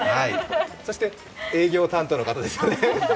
そして、営業担当の方ですよね。